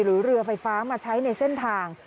หรือเรือไฟฟ้ามาใช้ในเส้นทาง